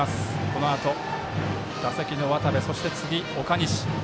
このあと、打席の渡部そして次、岡西。